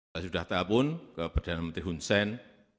saya sudah tahun ke perdana menteri hun sen